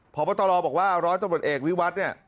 พอพระตอลอบอกว่าร้อยต้นบทเอกวิวัตน์เนี่ย